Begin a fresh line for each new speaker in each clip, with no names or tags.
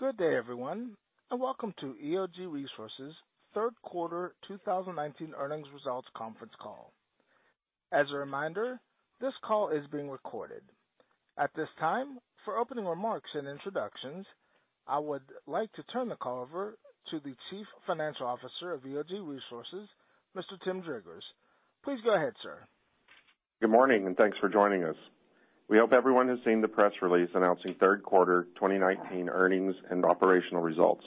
Good day, everyone, and welcome to EOG Resources' third quarter 2019 earnings results conference call. As a reminder, this call is being recorded. At this time, for opening remarks and introductions, I would like to turn the call over to the Chief Financial Officer of EOG Resources, Mr. Tim Driggers. Please go ahead, sir.
Good morning, thanks for joining us. We hope everyone has seen the press release announcing third quarter 2019 earnings and operational results.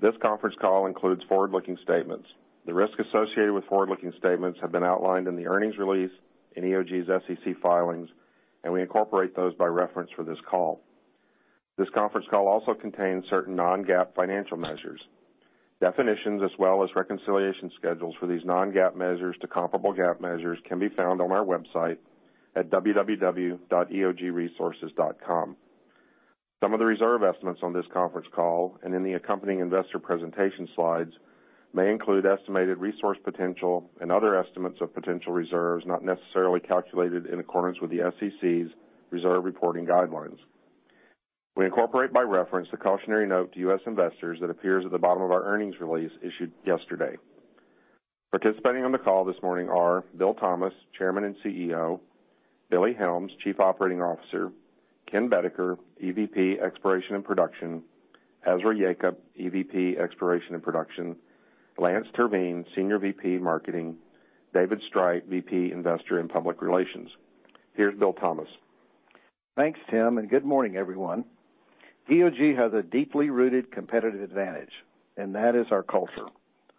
This conference call includes forward-looking statements. The risks associated with forward-looking statements have been outlined in the earnings release in EOG's SEC filings, we incorporate those by reference for this call. This conference call also contains certain non-GAAP financial measures. Definitions, as well as reconciliation schedules for these non-GAAP measures to comparable GAAP measures, can be found on our website at www.eogresources.com. Some of the reserve estimates on this conference call and in the accompanying investor presentation slides may include estimated resource potential and other estimates of potential reserves not necessarily calculated in accordance with the SEC's reserve reporting guidelines. We incorporate by reference the cautionary note to U.S. investors that appears at the bottom of our earnings release issued yesterday. Participating on the call this morning are Bill Thomas, Chairman and CEO; Billy Helms, Chief Operating Officer; Ken Boedeker, EVP, Exploration and Production; Ezra Yacob, EVP, Exploration and Production; Lance Terveen, Senior VP, Marketing; David Streit, VP, Investor and Public Relations. Here's Bill Thomas.
Thanks, Tim, and good morning, everyone. EOG has a deeply rooted competitive advantage, and that is our culture.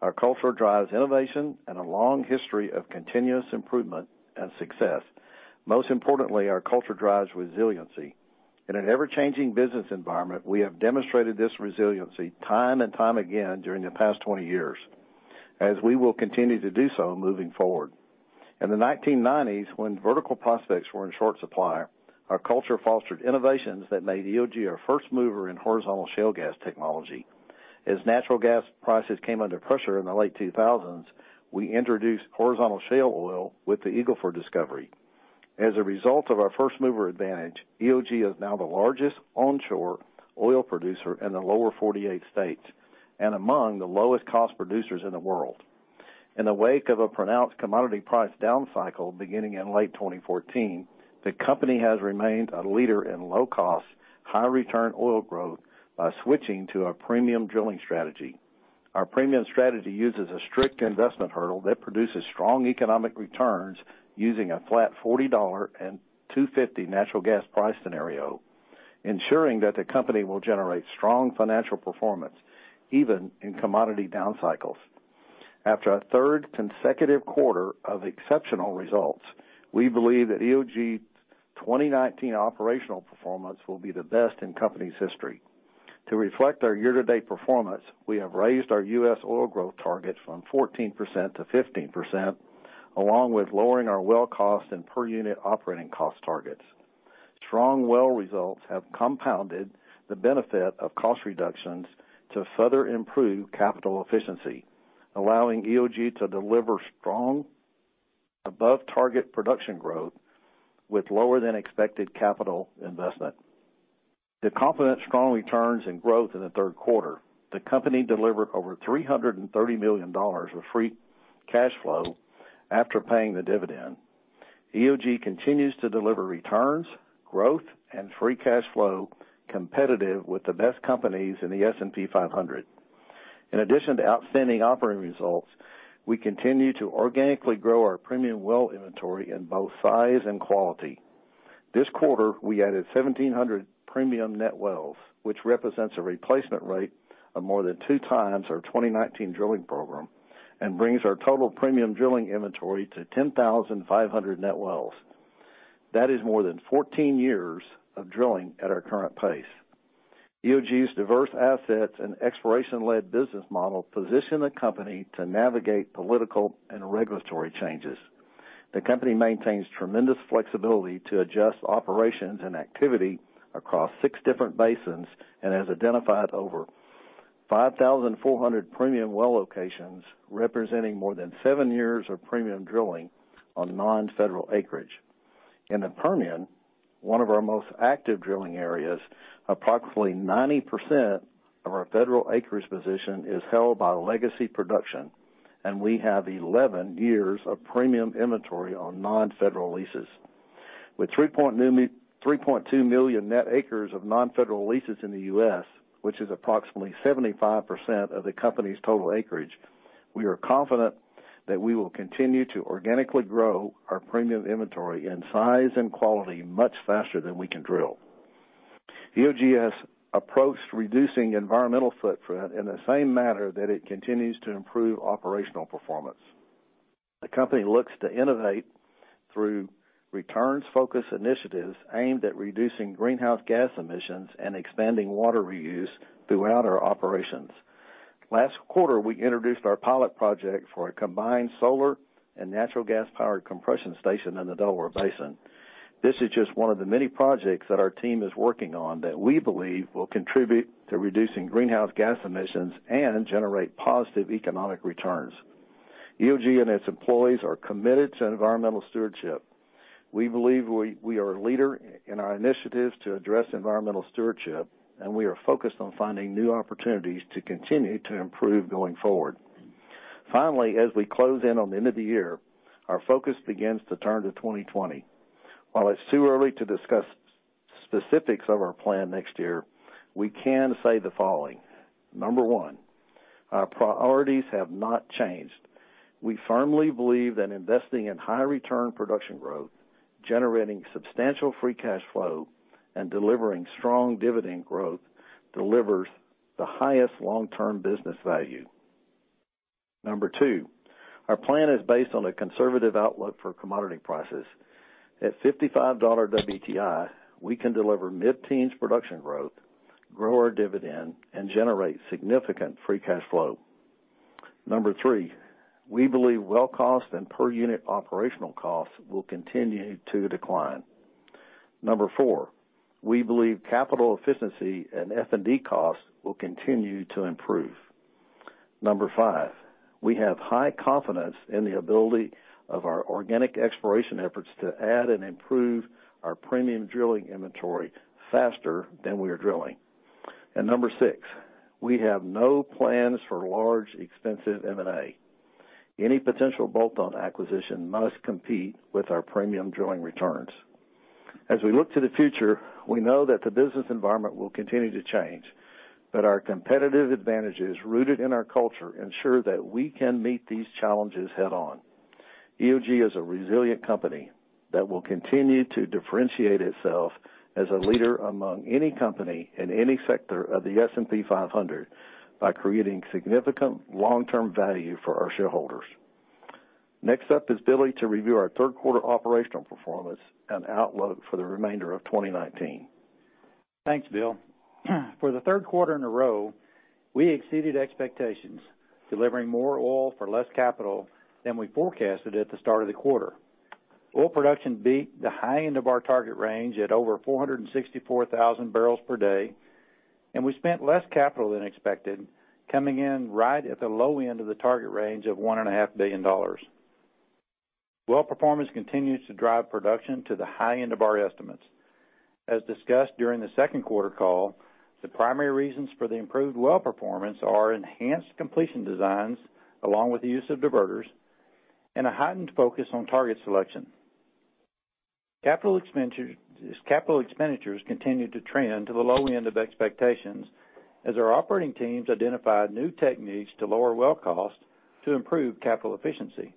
Our culture drives innovation and a long history of continuous improvement and success. Most importantly, our culture drives resiliency. In an ever-changing business environment, we have demonstrated this resiliency time and time again during the past 20 years, as we will continue to do so moving forward. In the 1990s, when vertical prospects were in short supply, our culture fostered innovations that made EOG a first mover in horizontal shale gas technology. As natural gas prices came under pressure in the late 2000s, we introduced horizontal shale oil with the Eagle Ford discovery. As a result of our first-mover advantage, EOG is now the largest onshore oil producer in the lower 48 states and among the lowest cost producers in the world. In the wake of a pronounced commodity price down cycle beginning in late 2014, the company has remained a leader in low-cost, high-return oil growth by switching to a premium drilling strategy. Our premium strategy uses a strict investment hurdle that produces strong economic returns using a flat $40 and $2.50 natural gas price scenario, ensuring that the company will generate strong financial performance even in commodity down cycles. After a third consecutive quarter of exceptional results, we believe that EOG's 2019 operational performance will be the best in company's history. To reflect our year-to-date performance, we have raised our US oil growth target from 14% to 15%, along with lowering our well cost and per-unit operating cost targets. Strong well results have compounded the benefit of cost reductions to further improve capital efficiency, allowing EOG to deliver strong above-target production growth with lower than expected capital investment. To complement strong returns and growth in the third quarter, the company delivered over $330 million of free cash flow after paying the dividend. EOG continues to deliver returns, growth, and free cash flow competitive with the best companies in the S&P 500. In addition to outstanding operating results, we continue to organically grow our premium well inventory in both size and quality. This quarter, we added 1,700 premium net wells, which represents a replacement rate of more than two times our 2019 drilling program and brings our total premium drilling inventory to 10,500 net wells. That is more than 14 years of drilling at our current pace. EOG's diverse assets and exploration-led business model position the company to navigate political and regulatory changes. The company maintains tremendous flexibility to adjust operations and activity across six different basins and has identified over 5,400 premium well locations, representing more than seven years of premium drilling on non-federal acreage. In the Permian, one of our most active drilling areas, approximately 90% of our federal acreage position is held by legacy production, and we have 11 years of premium inventory on non-federal leases. With 3.2 million net acres of non-federal leases in the U.S., which is approximately 75% of the company's total acreage, we are confident that we will continue to organically grow our premium inventory in size and quality much faster than we can drill. EOG has approached reducing environmental footprint in the same manner that it continues to improve operational performance. The company looks to innovate through returns-focused initiatives aimed at reducing greenhouse gas emissions and expanding water reuse throughout our operations. Last quarter, we introduced our pilot project for a combined solar and natural gas powered compression station in the Delaware Basin. This is just one of the many projects that our team is working on that we believe will contribute to reducing greenhouse gas emissions and generate positive economic returns. EOG and its employees are committed to environmental stewardship. We believe we are a leader in our initiatives to address environmental stewardship, and we are focused on finding new opportunities to continue to improve going forward. Finally, as we close in on the end of the year, our focus begins to turn to 2020. While it's too early to discuss specifics of our plan next year, we can say the following. Number one, our priorities have not changed. We firmly believe that investing in high return production growth, generating substantial free cash flow, and delivering strong dividend growth delivers the highest long-term business value. Number two, our plan is based on a conservative outlook for commodity prices. At $55 WTI, we can deliver mid-teens production growth, grow our dividend, and generate significant free cash flow. Number three, we believe well cost and per unit operational costs will continue to decline. Number four, we believe capital efficiency and F&D costs will continue to improve. Number five, we have high confidence in the ability of our organic exploration efforts to add and improve our premium drilling inventory faster than we are drilling. Number six, we have no plans for large, expensive M&A. Any potential bolt-on acquisition must compete with our premium drilling returns. As we look to the future, we know that the business environment will continue to change, but our competitive advantages rooted in our culture ensure that we can meet these challenges head-on. EOG is a resilient company that will continue to differentiate itself as a leader among any company in any sector of the S&P 500 by creating significant long-term value for our shareholders. Next up is Billy to review our third quarter operational performance and outlook for the remainder of 2019.
Thanks, Bill. For the third quarter in a row, we exceeded expectations, delivering more oil for less capital than we forecasted at the start of the quarter. Oil production beat the high end of our target range at over 464,000 barrels per day, and we spent less capital than expected, coming in right at the low end of the target range of $1.5 billion. Well performance continues to drive production to the high end of our estimates. As discussed during the second quarter call, the primary reasons for the improved well performance are enhanced completion designs along with the use of diverters and a heightened focus on target selection. Capital expenditures continue to trend to the low end of expectations as our operating teams identify new techniques to lower well cost to improve capital efficiency.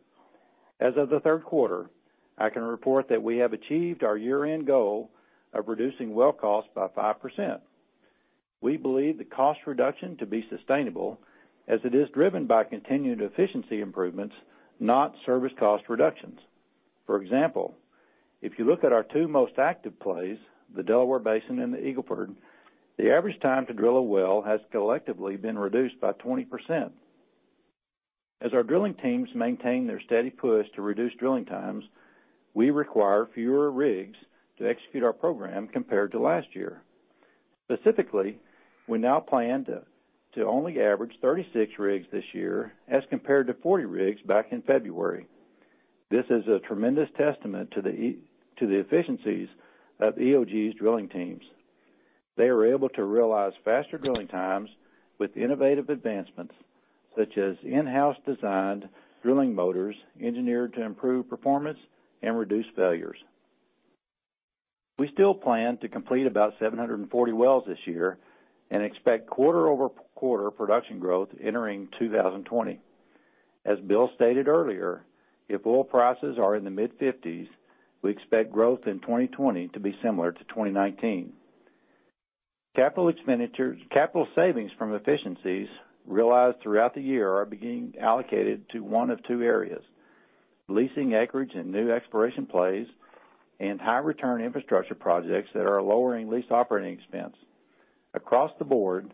As of the third quarter, I can report that we have achieved our year-end goal of reducing well cost by 5%. We believe the cost reduction to be sustainable as it is driven by continued efficiency improvements, not service cost reductions. For example, if you look at our two most active plays, the Delaware Basin and the Eagle Ford, the average time to drill a well has collectively been reduced by 20%. As our drilling teams maintain their steady push to reduce drilling times, we require fewer rigs to execute our program compared to last year. Specifically, we now plan to only average 36 rigs this year as compared to 40 rigs back in February. This is a tremendous testament to the efficiencies of EOG's drilling teams. They are able to realize faster drilling times with innovative advancements such as in-house designed drilling motors engineered to improve performance and reduce failures. We still plan to complete about 740 wells this year and expect quarter-over-quarter production growth entering 2020. As Bill stated earlier, if oil prices are in the mid-50s, we expect growth in 2020 to be similar to 2019. Capital savings from efficiencies realized throughout the year are being allocated to one of two areas, leasing acreage and new exploration plays and high return infrastructure projects that are lowering lease operating expense. Across the board,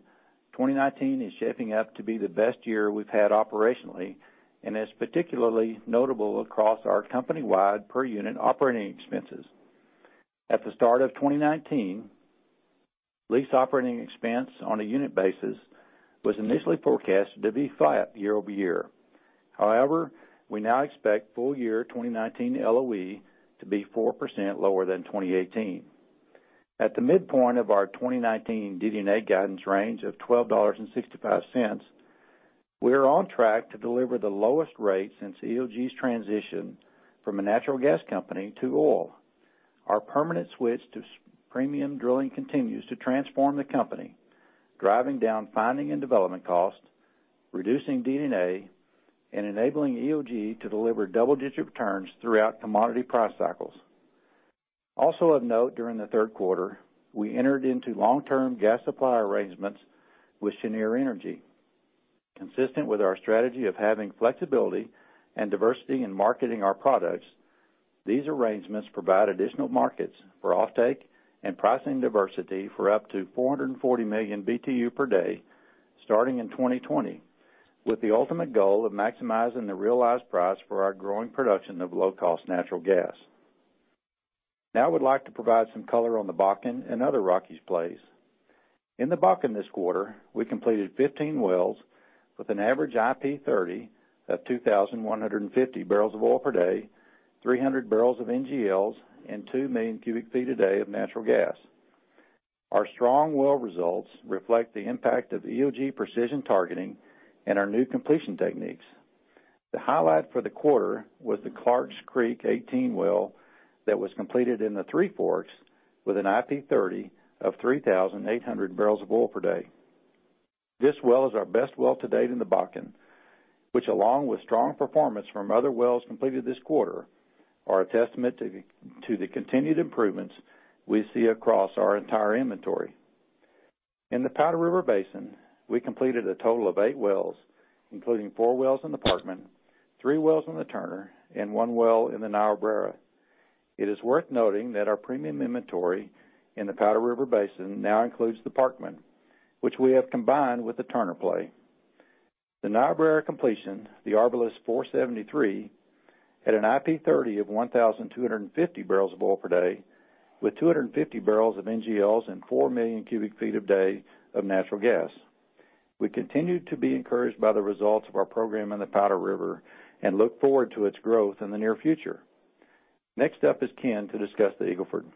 2019 is shaping up to be the best year we've had operationally, and it's particularly notable across our company-wide per unit operating expenses. At the start of 2019, lease operating expense on a unit basis was initially forecasted to be flat year-over-year. However, we now expect full year 2019 LOE to be 4% lower than 2018. At the midpoint of our 2019 DD&A guidance range of $12.65, we are on track to deliver the lowest rate since EOG's transition from a natural gas company to oil. Our permanent switch to premium drilling continues to transform the company, driving down finding and development costs, reducing DD&A, and enabling EOG to deliver double-digit returns throughout commodity price cycles. Also of note during the third quarter, we entered into long-term gas supply arrangements with Cheniere Energy. Consistent with our strategy of having flexibility and diversity in marketing our products, these arrangements provide additional markets for offtake and pricing diversity for up to 440 million BTU per day starting in 2020, with the ultimate goal of maximizing the realized price for our growing production of low-cost natural gas.I would like to provide some color on the Bakken and other Rockies plays. In the Bakken this quarter, we completed 15 wells with an average IP 30 of 2,150 barrels of oil per day, 300 barrels of NGLs, and 2 million cubic feet a day of natural gas. Our strong well results reflect the impact of the EOG precision targeting and our new completion techniques. The highlight for the quarter was the Clarks Creek 18 well that was completed in the Three Forks with an IP 30 of 3,800 barrels of oil per day. This well is our best well to date in the Bakken, which, along with strong performance from other wells completed this quarter, are a testament to the continued improvements we see across our entire inventory. In the Powder River Basin, we completed a total of eight wells, including four wells in the Parkman, three wells in the Turner, and one well in the Niobrara. It is worth noting that our premium inventory in the Powder River Basin now includes the Parkman, which we have combined with the Turner play. The Niobrara completion, the Arbalest 473, had an IP 30 of 1,250 barrels of oil per day, with 250 barrels of NGLs and 4 million cubic feet a day of natural gas. We continue to be encouraged by the results of our program in the Powder River and look forward to its growth in the near future. Next up is Ken to discuss the Eagle Ford.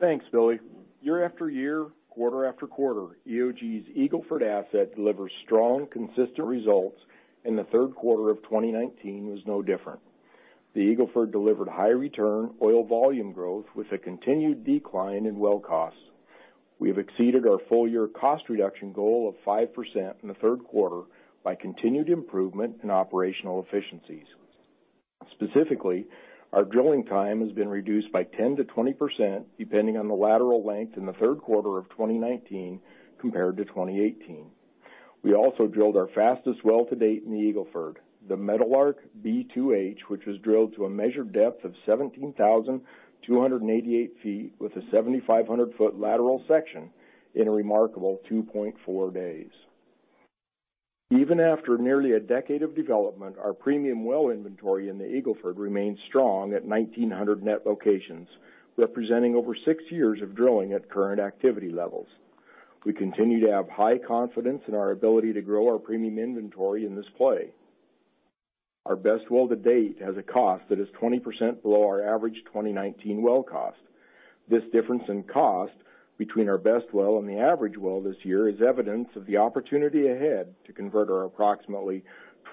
Thanks, Billy. Year after year, quarter after quarter, EOG's Eagle Ford asset delivers strong, consistent results. The third quarter of 2019 was no different. The Eagle Ford delivered high-return oil volume growth with a continued decline in well costs. We have exceeded our full-year cost reduction goal of 5% in the third quarter by continued improvement in operational efficiencies. Specifically, our drilling time has been reduced by 10%-20%, depending on the lateral length in the third quarter of 2019 compared to 2018. We also drilled our fastest well to date in the Eagle Ford, the Meadowlark B2H, which was drilled to a measured depth of 17,288 feet with a 7,500-foot lateral section in a remarkable 2.4 days. Even after nearly a decade of development, our premium well inventory in the Eagle Ford remains strong at 1,900 net locations, representing over six years of drilling at current activity levels. We continue to have high confidence in our ability to grow our premium inventory in this play. Our best well to date has a cost that is 20% below our average 2019 well cost. This difference in cost between our best well and the average well this year is evidence of the opportunity ahead to convert our approximately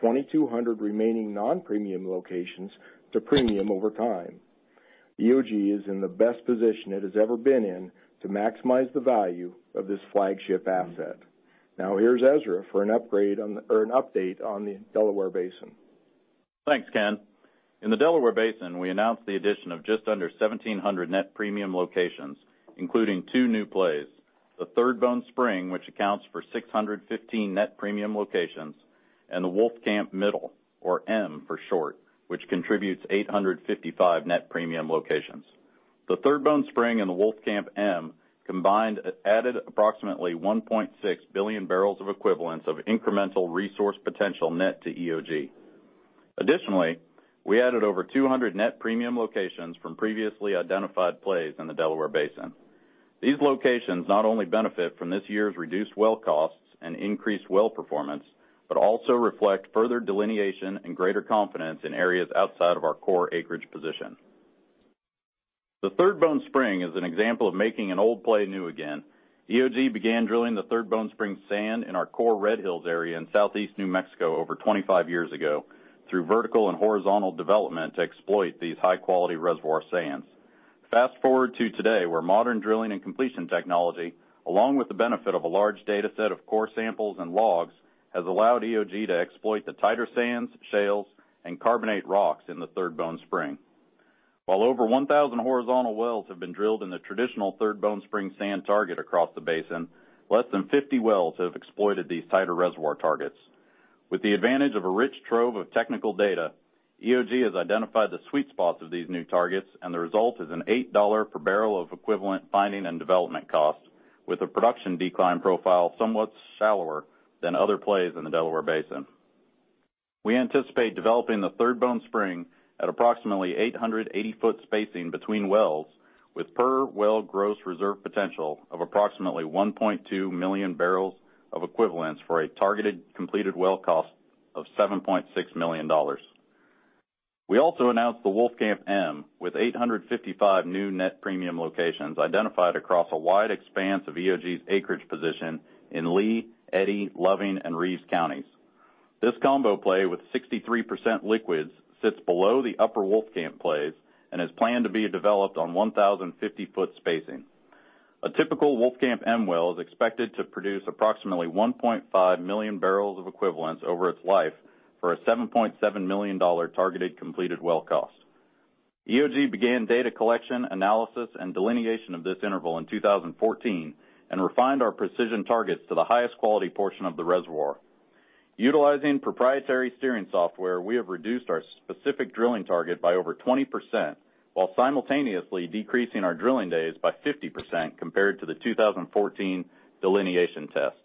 2,200 remaining non-premium locations to premium over time. EOG is in the best position it has ever been in to maximize the value of this flagship asset. Now here's Ezra for an update on the Delaware Basin.
Thanks, Ken. In the Delaware Basin, we announced the addition of just under 1,700 net premium locations, including two new plays, the Third Bone Spring, which accounts for 615 net premium locations, and the Wolfcamp Middle, or M for short, which contributes 855 net premium locations. The Third Bone Spring and the Wolfcamp M combined added approximately 1.6 billion barrels of equivalents of incremental resource potential net to EOG. Additionally, we added over 200 net premium locations from previously identified plays in the Delaware Basin. These locations not only benefit from this year's reduced well costs and increased well performance, but also reflect further delineation and greater confidence in areas outside of our core acreage position. The Third Bone Spring is an example of making an old play new again. EOG began drilling the Third Bone Spring sand in our core Red Hills area in southeast New Mexico over 25 years ago through vertical and horizontal development to exploit these high-quality reservoir sands. Fast-forward to today, where modern drilling and completion technology, along with the benefit of a large data set of core samples and logs, has allowed EOG to exploit the tighter sands, shales, and carbonate rocks in the Third Bone Spring. While over 1,000 horizontal wells have been drilled in the traditional Third Bone Spring sand target across the basin, less than 50 wells have exploited these tighter reservoir targets. With the advantage of a rich trove of technical data, EOG has identified the sweet spots of these new targets, and the result is an $8 per barrel of equivalent finding and development cost, with a production decline profile somewhat shallower than other plays in the Delaware Basin. We anticipate developing the Third Bone Spring at approximately 880-foot spacing between wells with per-well gross reserve potential of approximately 1.2 million barrels of equivalents for a targeted completed well cost of $7.6 million. We also announced the Wolfcamp M with 855 new net premium locations identified across a wide expanse of EOG's acreage position in Lea, Eddy, Loving, and Reeves counties. This combo play with 63% liquids sits below the upper Wolfcamp plays and is planned to be developed on 1,050-foot spacing. A typical Wolfcamp M well is expected to produce approximately 1.5 million barrels of equivalents over its life for a $7.7 million targeted completed well cost. EOG began data collection, analysis, and delineation of this interval in 2014 and refined our precision targets to the highest quality portion of the reservoir. Utilizing proprietary steering software, we have reduced our specific drilling target by over 20% while simultaneously decreasing our drilling days by 50% compared to the 2014 delineation tests.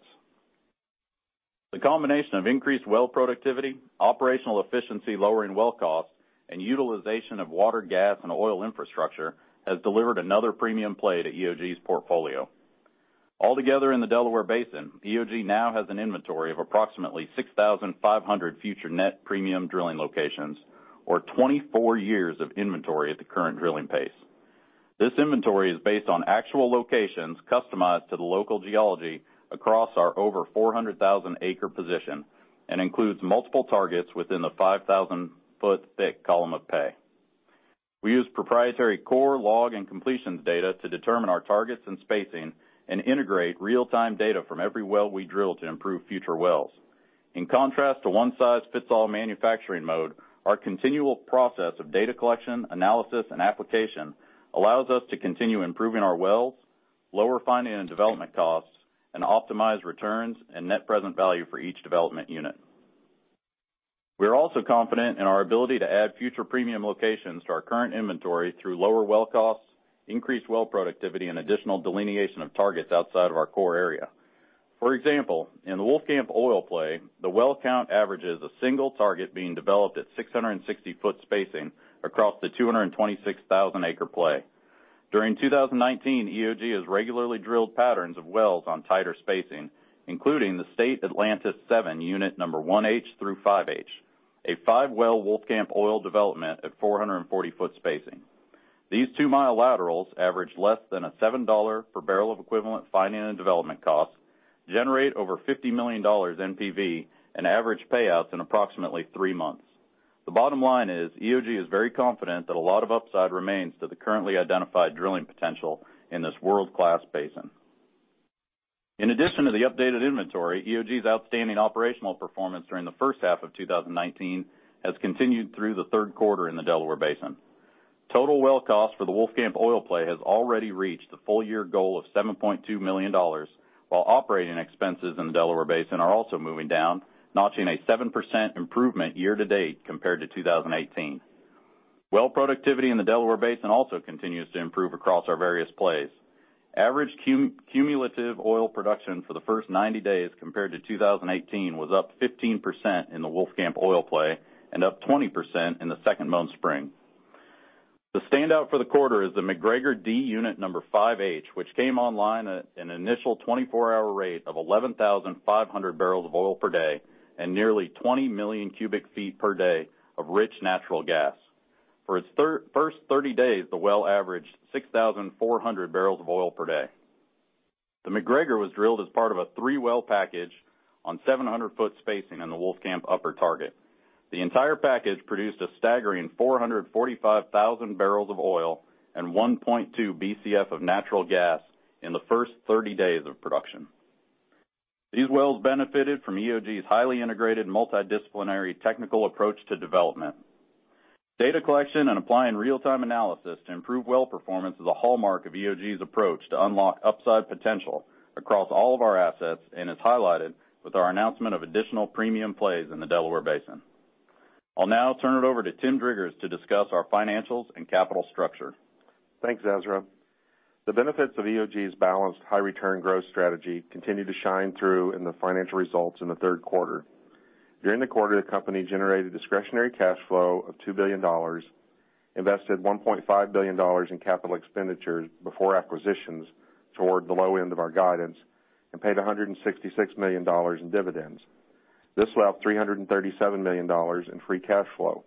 The combination of increased well productivity, operational efficiency, lowering well costs, and utilization of water, gas, and oil infrastructure has delivered another premium play to EOG's portfolio. Altogether in the Delaware Basin, EOG now has an inventory of approximately 6,500 future net premium drilling locations, or 24 years of inventory at the current drilling pace. This inventory is based on actual locations customized to the local geology across our over 400,000-acre position and includes multiple targets within the 5,000-foot thick column of pay. We use proprietary core log and completions data to determine our targets and spacing and integrate real-time data from every well we drill to improve future wells. In contrast to one-size-fits-all manufacturing mode, our continual process of data collection, analysis, and application allows us to continue improving our wells, lower finding and development costs, and optimize returns and net present value for each development unit. We are also confident in our ability to add future premium locations to our current inventory through lower well costs, increased well productivity, and additional delineation of targets outside of our core area. For example, in the Wolfcamp Oil Play, the well count averages a single target being developed at 660-foot spacing across the 226,000 acre play. During 2019, EOG has regularly drilled patterns of wells on tighter spacing, including the State Atlantis 7, unit number 1H through 5H, a 5-well Wolfcamp oil development at 440-foot spacing. These two-mile laterals average less than $7 per BOE F&D costs, generate over $50 million NPV, and average payouts in approximately three months. The bottom line is EOG is very confident that a lot of upside remains to the currently identified drilling potential in this world-class basin. In addition to the updated inventory, EOG's outstanding operational performance during the first half of 2019 has continued through the third quarter in the Delaware Basin. Total well cost for the Wolfcamp Oil Play has already reached the full-year goal of $7.2 million, while operating expenses in the Delaware Basin are also moving down, notching a 7% improvement year-to-date compared to 2018. Well productivity in the Delaware Basin also continues to improve across our various plays. Average cumulative oil production for the first 90 days compared to 2018 was up 15% in the Wolfcamp Oil Play and up 20% in the Second Bone Spring. The standout for the quarter is the McGregor D unit number 5H, which came online at an initial 24-hour rate of 11,500 barrels of oil per day and nearly 20 million cubic feet per day of rich natural gas. For its first 30 days, the well averaged 6,400 barrels of oil per day. The McGregor was drilled as part of a three-well package on 700-foot spacing in the Wolfcamp Upper target. The entire package produced a staggering 445,000 barrels of oil and 1.2 Bcf of natural gas in the first 30 days of production. These wells benefited from EOG's highly integrated multidisciplinary technical approach to development. Data collection and applying real-time analysis to improve well performance is a hallmark of EOG's approach to unlock upside potential across all of our assets and is highlighted with our announcement of additional premium plays in the Delaware Basin. I'll now turn it over to Tim Driggers to discuss our financials and capital structure.
Thanks, Ezra. The benefits of EOG's balanced high return growth strategy continue to shine through in the financial results in the third quarter. During the quarter, the company generated discretionary cash flow of $2 billion, invested $1.5 billion in capital expenditures before acquisitions toward the low end of our guidance, and paid $166 million in dividends. This left $337 million in free cash flow.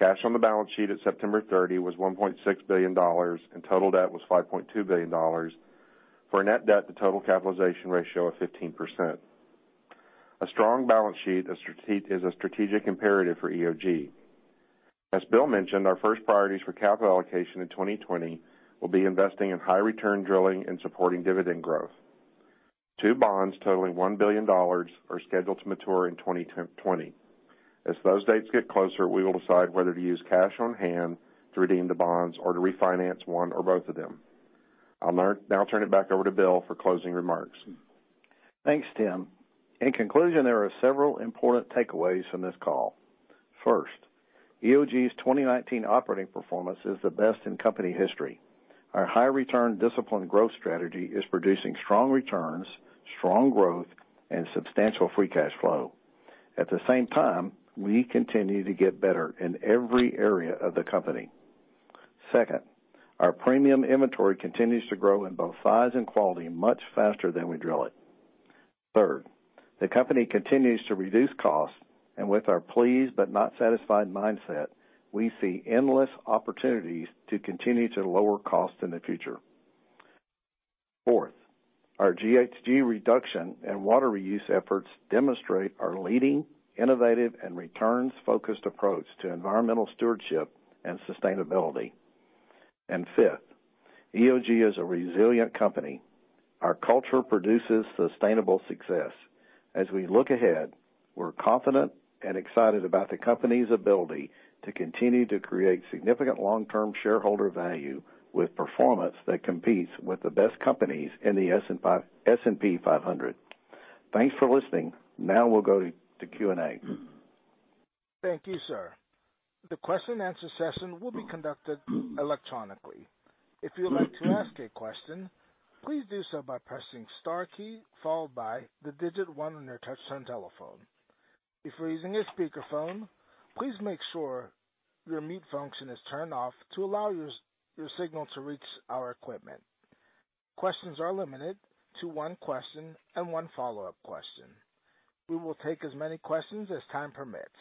Cash on the balance sheet at September 30 was $1.6 billion, and total debt was $5.2 billion, for a net debt to total capitalization ratio of 15%. A strong balance sheet is a strategic imperative for EOG. As Bill mentioned, our first priorities for capital allocation in 2020 will be investing in high return drilling and supporting dividend growth. Two bonds totaling $1 billion are scheduled to mature in 2020. As those dates get closer, we will decide whether to use cash on hand to redeem the bonds or to refinance one or both of them. I'll now turn it back over to Bill for closing remarks.
Thanks, Tim. In conclusion, there are several important takeaways from this call. First, EOG's 2019 operating performance is the best in company history. Our high return discipline growth strategy is producing strong returns, strong growth, and substantial free cash flow. At the same time, we continue to get better in every area of the company. Second, our premium inventory continues to grow in both size and quality much faster than we drill it. Third, the company continues to reduce costs, and with our pleased but not satisfied mindset, we see endless opportunities to continue to lower costs in the future. Fourth, our GHG reduction and water reuse efforts demonstrate our leading, innovative, and returns-focused approach to environmental stewardship and sustainability. Fifth, EOG is a resilient company. Our culture produces sustainable success. As we look ahead, we're confident and excited about the company's ability to continue to create significant long-term shareholder value with performance that competes with the best companies in the S&P 500. Thanks for listening. Now we'll go to Q&A.
Thank you, sir. The question answer session will be conducted electronically. If you would like to ask a question, please do so by pressing star key followed by the digit 1 on your touchtone telephone. If you're using a speakerphone, please make sure your mute function is turned off to allow your signal to reach our equipment. Questions are limited to one question and one follow-up question. We will take as many questions as time permits.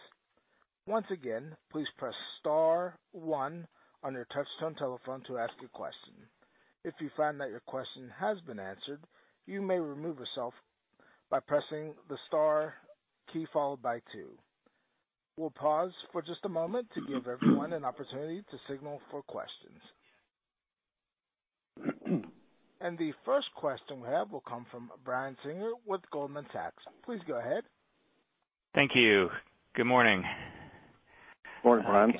Once again, please press star one on your touchtone telephone to ask a question. If you find that your question has been answered, you may remove yourself by pressing the star key followed by two. We'll pause for just a moment to give everyone an opportunity to signal for questions. The first question we have will come from Brian Singer with Goldman Sachs. Please go ahead.
Thank you. Good morning.
Morning, Brian.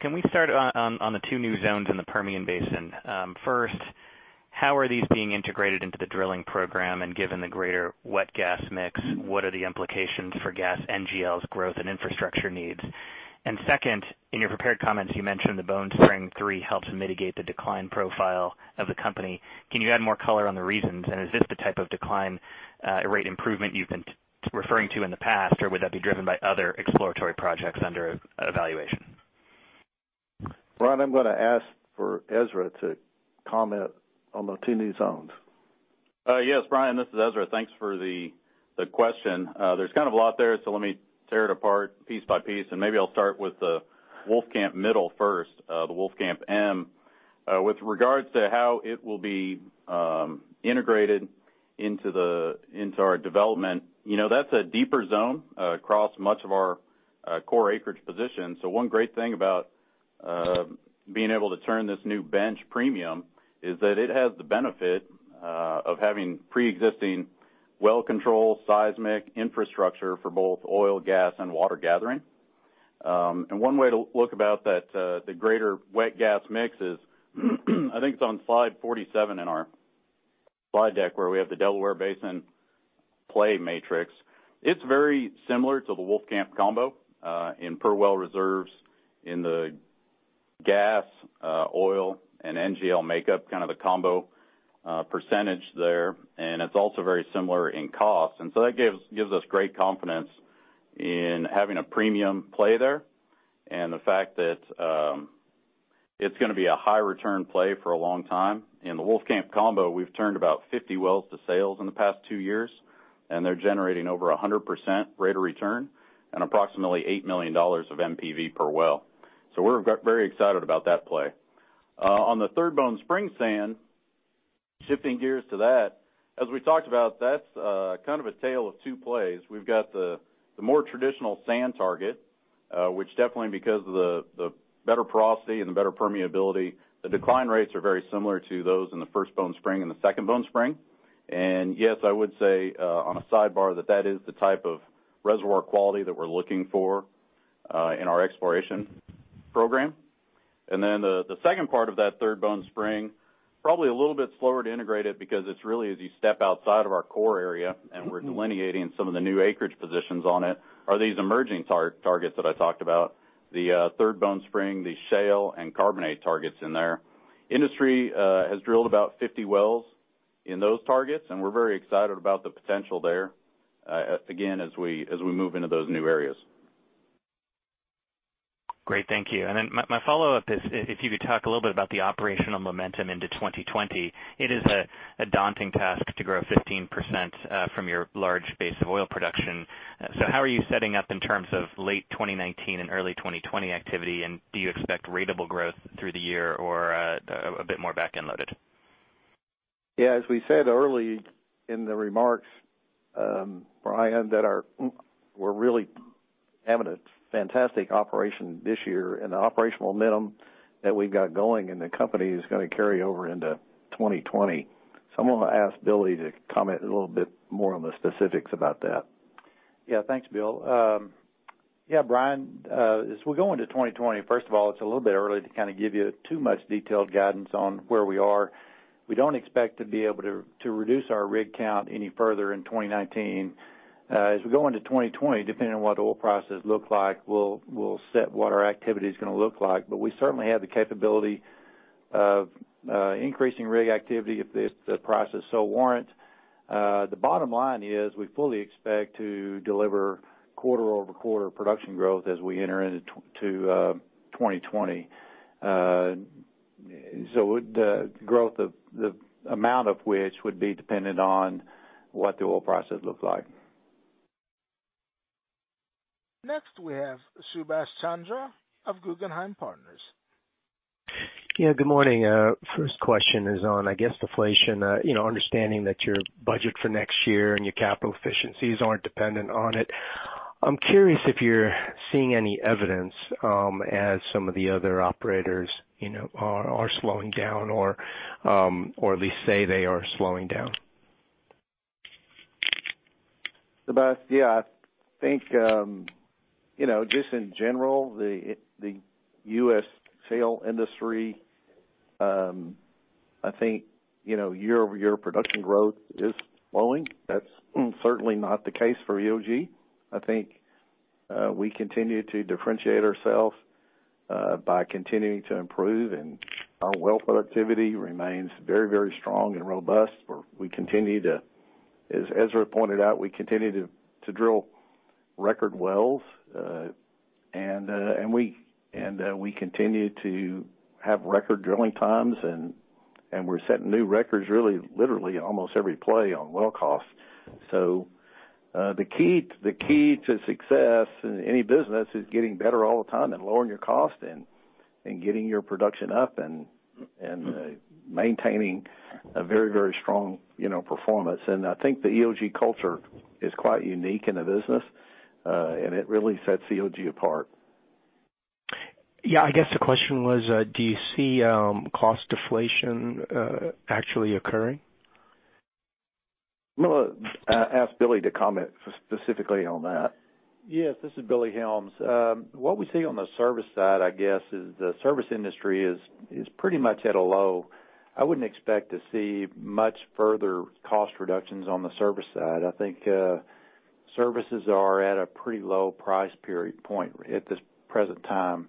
Can we start on the two new zones in the Permian Basin? First, how are these being integrated into the drilling program given the greater wet gas mix, what are the implications for gas NGLs growth and infrastructure needs? Second, in your prepared comments you mentioned the Bone Spring 3 helps mitigate the decline profile of the company. Can you add more color on the reasons, and is this the type of decline rate improvement you've been referring to in the past, or would that be driven by other exploratory projects under evaluation?
Brian, I'm going to ask for Ezra to comment on the two new zones.
Yes, Brian, this is Ezra. Thanks for the question. There's kind of a lot there, so let me tear it apart piece by piece, and maybe I'll start with the Wolfcamp Middle first, the Wolfcamp M. With regards to how it will be integrated into our development, that's a deeper zone across much of our core acreage position. One great thing about being able to turn this new bench premium is that it has the benefit of having preexisting well-controlled seismic infrastructure for both oil, gas, and water gathering. One way to look about the greater wet gas mix is, I think it's on slide 47 in our slide deck where we have the Delaware Basin play matrix. It's very similar to the Wolfcamp Combo in per well reserves in the gas, oil, and NGL makeup, kind of the combo percentage there. It's also very similar in cost. That gives us great confidence in having a premium play there and the fact that it's going to be a high return play for a long time. In the Wolfcamp Combo, we've turned about 50 wells to sales in the past two years, and they're generating over 100% rate of return and approximately $8 million of NPV per well. We're very excited about that play. On the Third Bone Spring Sand, shifting gears to that, as we talked about, that's kind of a tale of two plays. We've got the more traditional sand target, which definitely because of the better porosity and the better permeability, the decline rates are very similar to those in the First Bone Spring and the Second Bone Spring. Yes, I would say on a sidebar that that is the type of reservoir quality that we're looking for in our exploration program. The second part of that Third Bone Spring, probably a little bit slower to integrate it because it's really as you step outside of our core area, and we're delineating some of the new acreage positions on it, are these emerging targets that I talked about. The Third Bone Spring, the shale, and carbonate targets in there. Industry has drilled about 50 wells in those targets, and we're very excited about the potential there again, as we move into those new areas.
Great. Thank you. My follow-up is, if you could talk a little bit about the operational momentum into 2020. It is a daunting task to grow 15% from your large base of oil production. How are you setting up in terms of late 2019 and early 2020 activity, and do you expect ratable growth through the year or a bit more back-end loaded?
As we said early in the remarks, Brian, that we're really having a fantastic operation this year, and the operational momentum that we've got going in the company is going to carry over into 2020. I'm going to ask Billy to comment a little bit more on the specifics about that.
Thanks, Bill. Brian, as we go into 2020, first of all, it's a little bit early to kind of give you too much detailed guidance on where we are. We don't expect to be able to reduce our rig count any further in 2019. As we go into 2020, depending on what oil prices look like, we'll set what our activity's going to look like. We certainly have the capability of increasing rig activity if the prices so warrant. The bottom line is we fully expect to deliver quarter-over-quarter production growth as we enter into 2020. The amount of which would be dependent on what the oil prices look like.
Next, we have Subash Chandra of Guggenheim Partners.
Yeah, good morning. First question is on, I guess, deflation. Understanding that your budget for next year and your capital efficiencies aren't dependent on it, I'm curious if you're seeing any evidence as some of the other operators are slowing down or at least say they are slowing down.
Subhash, yeah. I think just in general, the U.S. shale industry year-over-year production growth is slowing. That's certainly not the case for EOG. I think we continue to differentiate ourselves by continuing to improve, and our well productivity remains very strong and robust. As Ezra pointed out, we continue to drill record wells, and we continue to have record drilling times, and we're setting new records really literally almost every play on well cost. The key to success in any business is getting better all the time and lowering your cost and getting your production up and maintaining a very strong performance. I think the EOG culture is quite unique in the business, and it really sets EOG apart.
Yeah, I guess the question was, do you see cost deflation actually occurring?
I'm going to ask Billy to comment specifically on that.
Yes, this is Billy Helms. What we see on the service side, I guess, is the service industry is pretty much at a low. I wouldn't expect to see much further cost reductions on the service side. I think services are at a pretty low price point at this present time.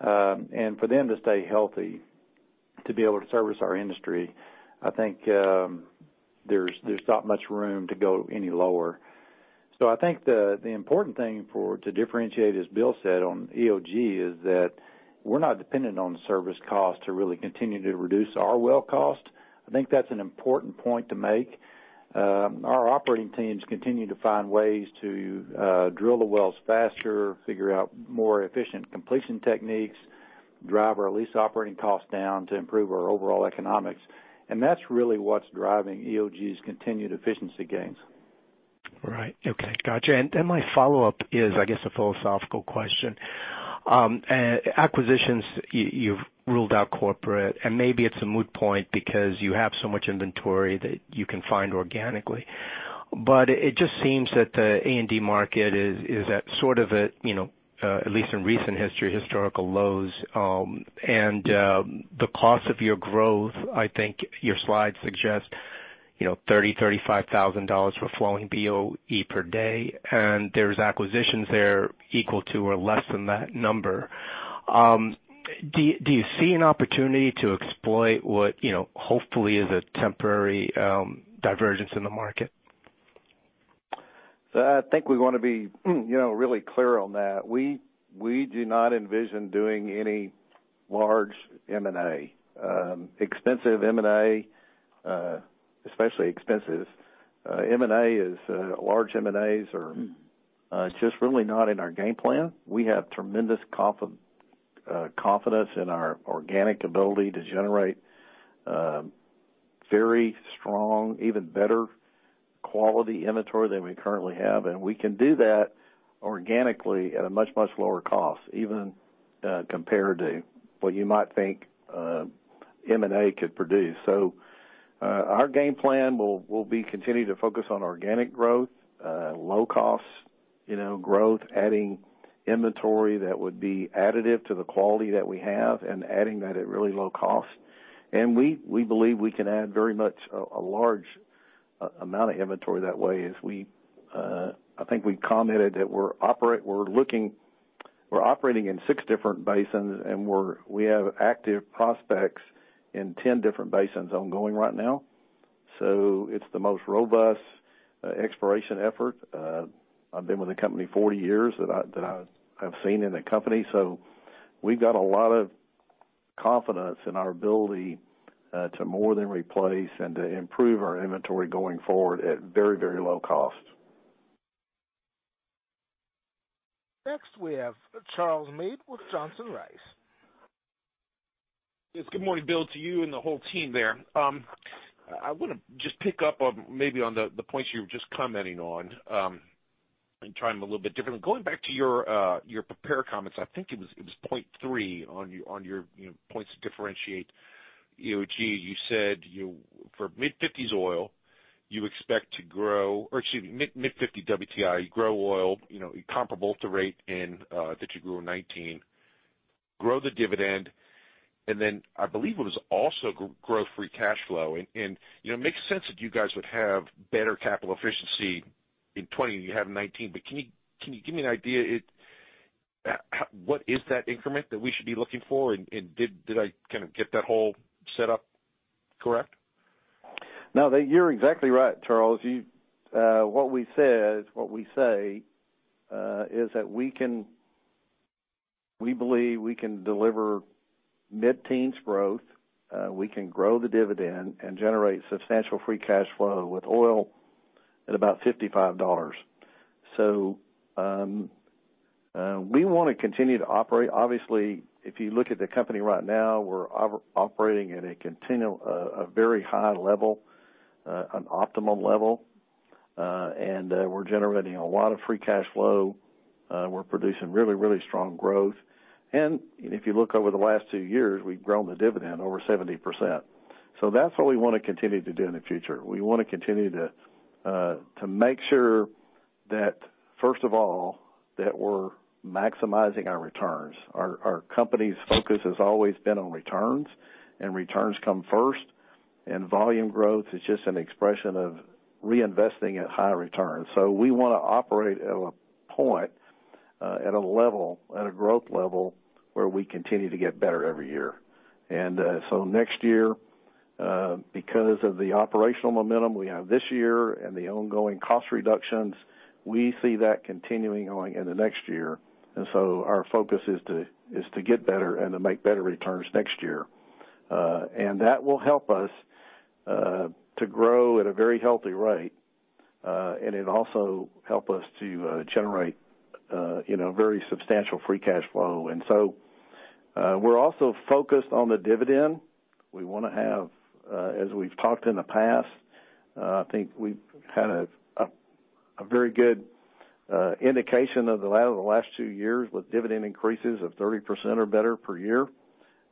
For them to stay healthy, to be able to service our industry, I think there's not much room to go any lower. I think the important thing to differentiate, as Bill said, on EOG, is that we're not dependent on service costs to really continue to reduce our well cost. I think that's an important point to make. Our operating teams continue to find ways to drill the wells faster, figure out more efficient completion techniques, drive our lease operating costs down to improve our overall economics. That's really what's driving EOG's continued efficiency gains.
Right. Okay, got you. My follow-up is, I guess, a philosophical question. Acquisitions, you've ruled out corporate, and maybe it's a moot point because you have so much inventory that you can find organically. It just seems that the A&D market is at sort of a, at least in recent history, historical lows. The cost of your growth, I think your slide suggests $30,000, $35,000 for flowing BOE per day, and there's acquisitions there equal to or less than that number. Do you see an opportunity to exploit what hopefully is a temporary divergence in the market?
I think we want to be really clear on that. We do not envision doing any large M&A. Expensive M&A, especially expensive M&A, large M&As are just really not in our game plan. We have tremendous confidence in our organic ability to generate very strong, even better quality inventory than we currently have, and we can do that organically at a much lower cost, even compared to what you might think M&A could produce. Our game plan will be continue to focus on organic growth, low costs growth, adding inventory that would be additive to the quality that we have and adding that at really low cost.
We believe we can add very much a large amount of inventory that way as I think we commented that we're operating in six different basins, and we have active prospects in 10 different basins ongoing right now. It's the most robust exploration effort, I've been with the company 40 years, that I have seen in the company. We've got a lot of confidence in our ability to more than replace and to improve our inventory going forward at very low cost.
Next we have Charles Meade with Johnson Rice.
Yes, good morning, Bill, to you and the whole team there. I want to just pick up maybe on the points you were just commenting on and try them a little bit differently. Going back to your prepared comments, I think it was point three on your points to differentiate EOG. You said for mid-50 WTI, you grow oil comparable to rate that you grew in 2019, grow the dividend, then I believe it was also grow free cash flow. It makes sense that you guys would have better capital efficiency in 2020 than you had in 2019. Can you give me an idea, what is that increment that we should be looking for? Did I kind of get that whole set up correct?
No, you're exactly right, Charles. What we say is that we believe we can deliver mid-teens growth. We can grow the dividend and generate substantial free cash flow with oil at about $55. We want to continue to operate. Obviously, if you look at the company right now, we're operating at a very high level, an optimum level. We're generating a lot of free cash flow. We're producing really strong growth. If you look over the last two years, we've grown the dividend over 70%. That's what we want to continue to do in the future. We want to continue to make sure that, first of all, that we're maximizing our returns. Our company's focus has always been on returns, and returns come first, and volume growth is just an expression of reinvesting at high returns. We want to operate at a point, at a level, at a growth level, where we continue to get better every year. Next year, because of the operational momentum we have this year and the ongoing cost reductions, we see that continuing on in the next year. Our focus is to get better and to make better returns next year. That will help us to grow at a very healthy rate, and it also help us to generate very substantial free cash flow. We're also focused on the dividend. We want to have, as we've talked in the past, I think we've had a very good indication of the last two years with dividend increases of 30% or better per year.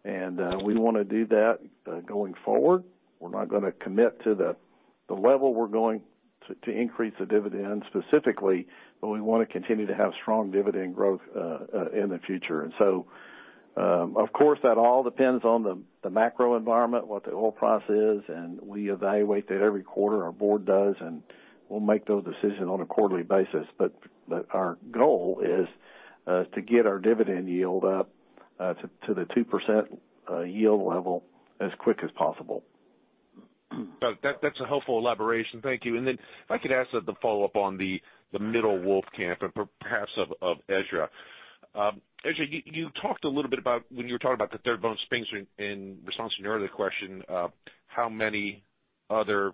We want to do that going forward. We're not going to commit to the level we're going to increase the dividend specifically, but we want to continue to have strong dividend growth in the future. Of course, that all depends on the macro environment, what the oil price is, and we evaluate that every quarter, our board does, and we'll make those decisions on a quarterly basis. Our goal is to get our dividend yield up to the 2% yield level as quick as possible.
That's a helpful elaboration. Thank you. If I could ask the follow-up on the Wolfcamp Middle and perhaps of Ezra. Ezra, you talked a little bit about when you were talking about the Third Bone Spring in response to an earlier question, how many other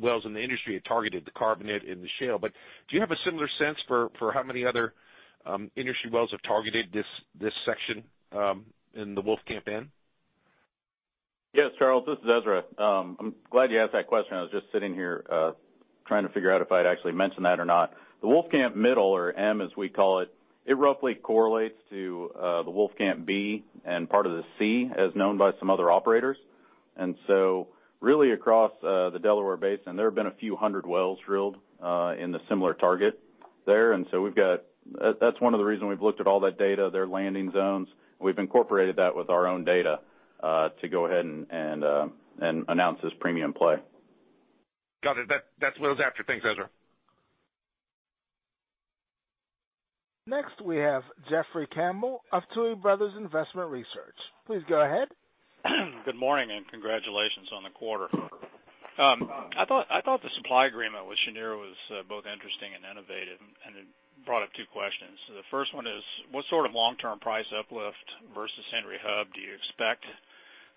wells in the industry had targeted the carbonate and the shale. Do you have a similar sense for how many other industry wells have targeted this section in the Wolfcamp Middle?
Yes, Charles, this is Ezra. I'm glad you asked that question. I was just sitting here trying to figure out if I'd actually mentioned that or not. The Wolfcamp Middle, or M as we call it, roughly correlates to the Wolfcamp B and part of the C, as known by some other operators. Really across the Delaware Basin, there have been a few hundred wells drilled in the similar target there. That's one of the reasons we've looked at all that data, their landing zones. We've incorporated that with our own data to go ahead and announce this premium play.
Got it. That's what I was after. Thanks, Ezra.
Next we have Jeffrey Campbell of Tuohy Brothers Investment Research. Please go ahead.
Good morning. Congratulations on the quarter. I thought the supply agreement with Cheniere was both interesting and innovative. It brought up two questions. The first one is, what sort of long-term price uplift versus Henry Hub do you expect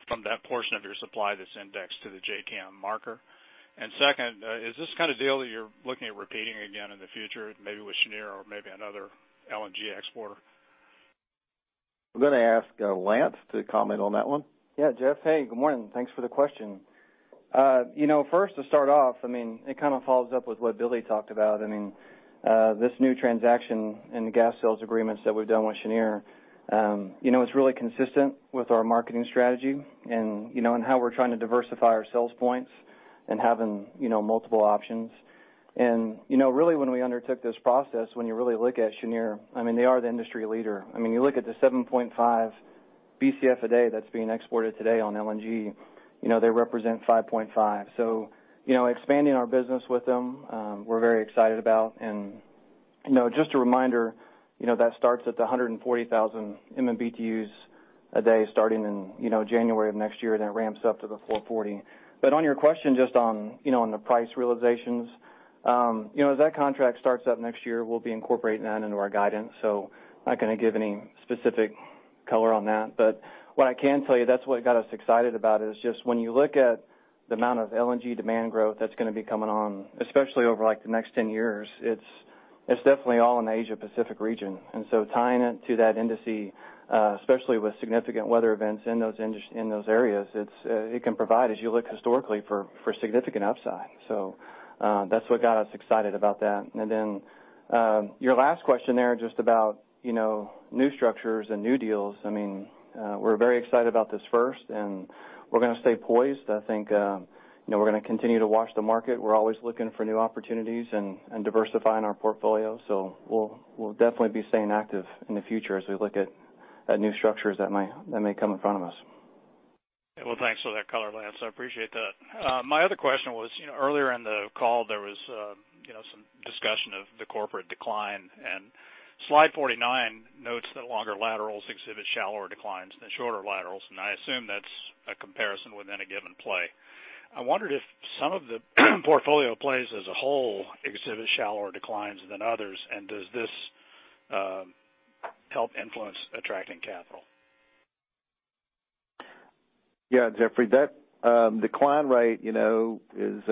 from that portion of your supply that's indexed to the JKM marker? Second, is this the kind of deal that you're looking at repeating again in the future, maybe with Cheniere or maybe another LNG exporter?
I'm going to ask Lance to comment on that one.
Yeah, Jeff, hey, good morning. Thanks for the question. First to start off, it kind of follows up with what Billy talked about. This new transaction and the gas sales agreements that we've done with Cheniere, it's really consistent with our marketing strategy and how we're trying to diversify our sales points and having multiple options. Really when we undertook this process, when you really look at Cheniere, they are the industry leader. You look at the 7.5 Bcf a day that's being exported today on LNG, they represent 5.5. Expanding our business with them, we're very excited about. Just a reminder, that starts at the 140,000 MMBtus a day starting in January of next year, it ramps up to the 440. On your question, just on the price realizations. As that contract starts up next year, we'll be incorporating that into our guidance, so I'm not going to give any specific color on that. What I can tell you, that's what got us excited about it, is just when you look at the amount of LNG demand growth that's going to be coming on, especially over the next 10 years, it's definitely all in the Asia-Pacific region. Tying it to that industry, especially with significant weather events in those areas, it can provide, as you look historically, for significant upside. That's what got us excited about that. Your last question there, just about new structures and new deals. We're very excited about this first, and we're going to stay poised. I think we're going to continue to watch the market. We're always looking for new opportunities and diversifying our portfolio. We'll definitely be staying active in the future as we look at new structures that may come in front of us.
Well, thanks for that color, Lance. I appreciate that. My other question was, earlier in the call, there was some discussion of the corporate decline, and slide 49 notes that longer laterals exhibit shallower declines than shorter laterals, and I assume that's a comparison within a given play. I wondered if some of the portfolio plays as a whole exhibit shallower declines than others, and does this help influence attracting capital?
Yeah, Jeffrey, that decline rate is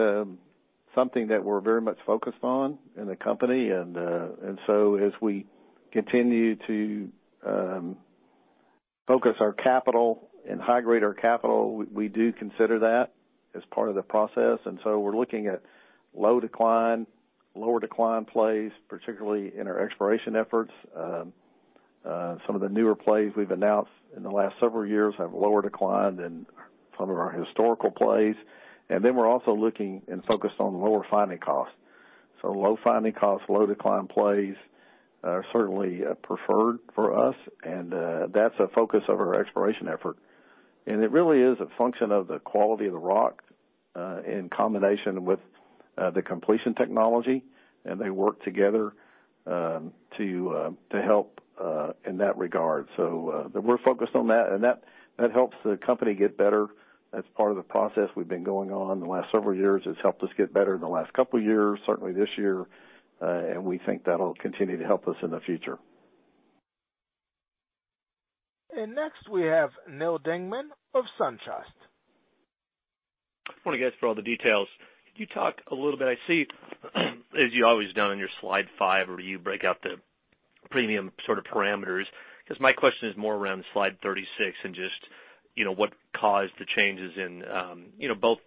something that we're very much focused on in the company. As we continue to focus our capital and high-grade our capital, we do consider that as part of the process. We're looking at lower decline plays, particularly in our exploration efforts. Some of the newer plays we've announced in the last several years have lower decline than some of our historical plays. We're also looking and focused on lower finding costs. Low finding costs, low decline plays are certainly preferred for us, and that's a focus of our exploration effort. It really is a function of the quality of the rock in combination with the completion technology, and they work together to help in that regard. We're focused on that, and that helps the company get better. That's part of the process we've been going on the last several years. It's helped us get better in the last couple of years, certainly this year, and we think that'll continue to help us in the future.
Next we have Neal Dingmann of SunTrust.
I want to get through all the details. Could you talk a little bit, I see, as you always done on your slide five, where you break out the premium sort of parameters, because my question is more around slide 36 and just what caused the changes in both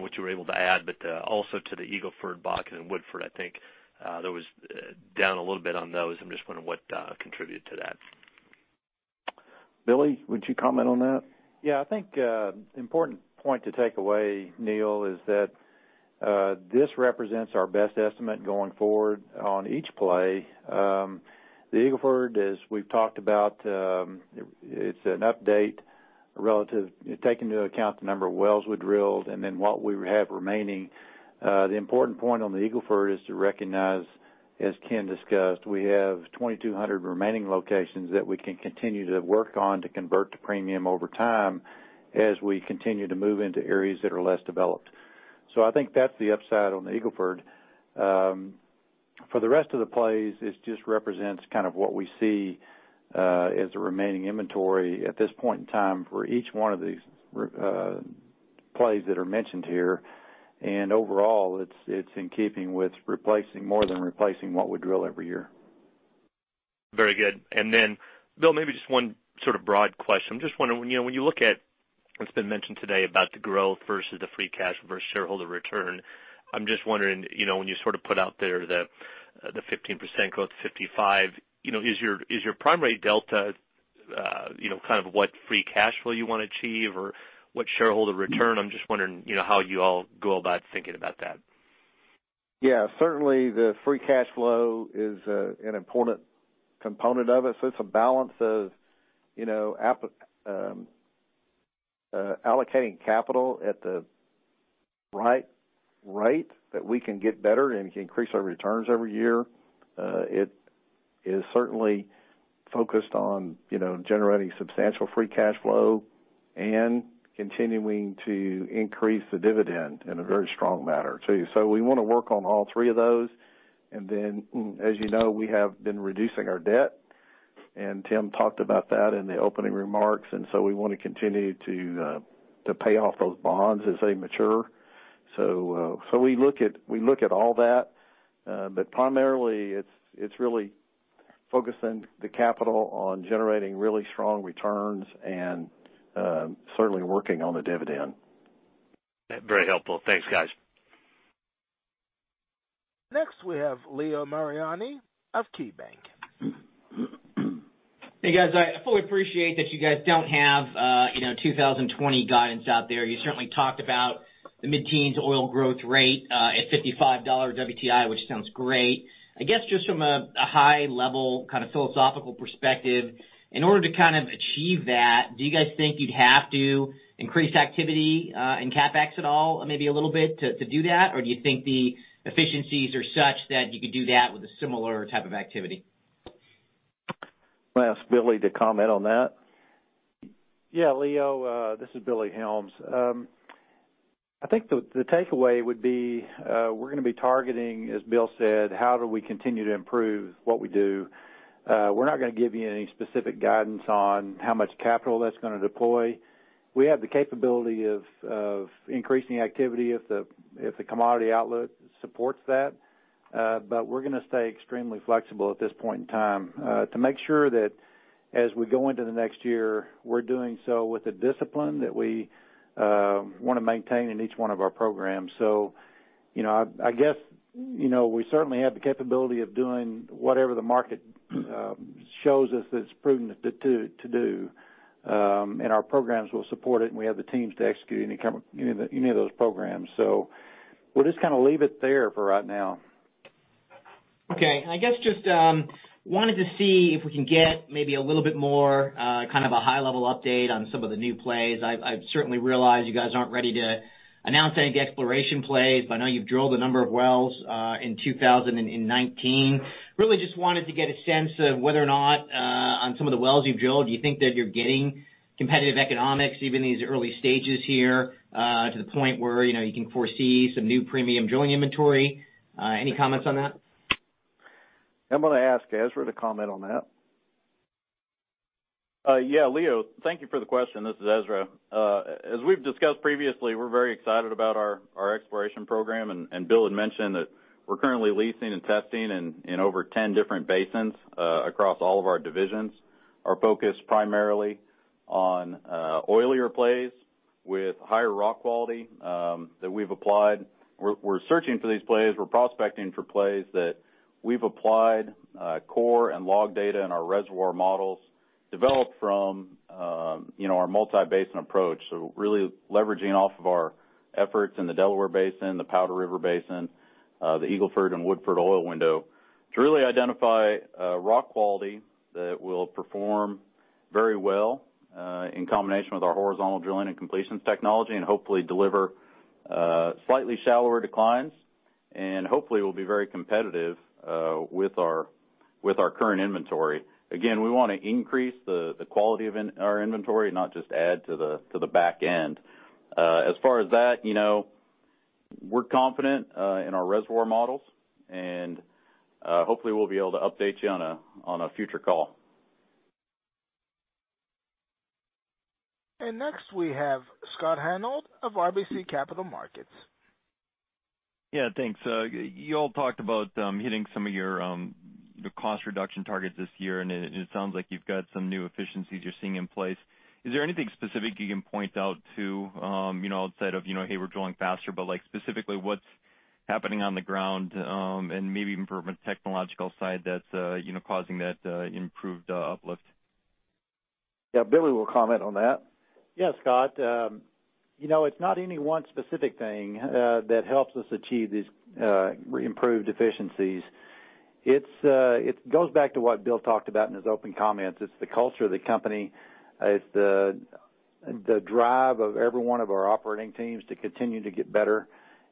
what you were able to add, but also to the Eagle Ford, Bakken, and Woodford, I think. There was down a little bit on those. I'm just wondering what contributed to that.
Billy, would you comment on that?
I think important point to take away, Neal, is that this represents our best estimate going forward on each play. The Eagle Ford, as we've talked about, it's an update. Take into account the number of wells we drilled, and then what we have remaining. The important point on the Eagle Ford is to recognize, as Ken discussed, we have 2,200 remaining locations that we can continue to work on to convert to premium over time as we continue to move into areas that are less developed. I think that's the upside on the Eagle Ford. For the rest of the plays, this just represents kind of what we see as the remaining inventory at this point in time for each one of these plays that are mentioned here. Overall, it's in keeping with more than replacing what we drill every year.
Very good. Bill, maybe just one sort of broad question. I'm just wondering, when you look at what's been mentioned today about the growth versus the free cash versus shareholder return, I'm just wondering, when you sort of put out there the 15% growth to 55, is your primary delta kind of what free cash flow you want to achieve or what shareholder return? I'm just wondering how you all go about thinking about that.
Certainly the free cash flow is an important component of it. It's a balance of allocating capital at the right rate that we can get better and can increase our returns every year. It is certainly focused on generating substantial free cash flow and continuing to increase the dividend in a very strong manner, too. We want to work on all three of those, and then as you know, we have been reducing our debt, and Tim talked about that in the opening remarks, and so we want to continue to pay off those bonds as they mature. We look at all that. Primarily it's really focusing the capital on generating really strong returns and certainly working on the dividend.
Very helpful. Thanks, guys.
Next we have Leo Mariani of KeyBanc.
Hey, guys. I fully appreciate that you guys don't have 2020 guidance out there. You certainly talked about the mid-teens oil growth rate at $55 WTI, which sounds great. I guess just from a high level, kind of philosophical perspective, in order to kind of achieve that, do you guys think you'd have to increase activity and CapEx at all, maybe a little bit to do that? Or do you think the efficiencies are such that you could do that with a similar type of activity?
I'm going to ask Billy to comment on that.
Yeah, Leo, this is Billy Helms. I think the takeaway would be we're going to be targeting, as Bill said, how do we continue to improve what we do? We're not going to give you any specific guidance on how much capital that's going to deploy. We're going to stay extremely flexible at this point in time to make sure that as we go into the next year, we're doing so with the discipline that we want to maintain in each one of our programs. I guess we certainly have the capability of doing whatever the market shows us that it's prudent to do, and our programs will support it, and we have the teams to execute any of those programs. We'll just kind of leave it there for right now.
Okay. I guess just wanted to see if we can get maybe a little bit more kind of a high level update on some of the new plays. I've certainly realized you guys aren't ready to announce any of the exploration plays, but I know you've drilled a number of wells in 2019. Really just wanted to get a sense of whether or not on some of the wells you've drilled, do you think that you're getting competitive economics even in these early stages here to the point where you can foresee some new premium drilling inventory? Any comments on that?
I'm going to ask Ezra to comment on that.
Yeah, Leo, thank you for the question. This is Ezra. As we've discussed previously, we're very excited about our exploration program, Bill had mentioned that we're currently leasing and testing in over 10 different basins across all of our divisions. Our focus primarily on oilier plays with higher rock quality that we've applied. We're searching for these plays. We're prospecting for plays that we've applied core and log data in our reservoir models developed from our multi-basin approach. Really leveraging off of our efforts in the Delaware Basin, the Powder River Basin, the Eagle Ford, and Woodford Oil Window to really identify rock quality that will perform very well in combination with our horizontal drilling and completion technology, hopefully deliver slightly shallower declines, hopefully will be very competitive with our current inventory. Again, we want to increase the quality of our inventory, not just add to the back end. As far as that, we're confident in our reservoir models, and hopefully we'll be able to update you on a future call.
Next, we have Scott Hanold of RBC Capital Markets.
Yeah, thanks. You all talked about hitting some of your cost reduction targets this year, and it sounds like you've got some new efficiencies you're seeing in place. Is there anything specific you can point out too outside of, "Hey, we're drilling faster," but specifically, what's happening on the ground, and maybe even from a technological side that's causing that improved uplift?
Yeah, Billy will comment on that.
Yeah, Scott. It's not any one specific thing that helps us achieve these improved efficiencies. It goes back to what Bill talked about in his opening comments. It's the culture of the company. It's the drive of every one of our operating teams to continue to get better,